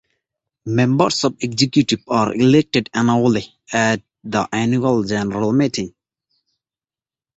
Members of the executive are elected annually at the Annual General Meeting.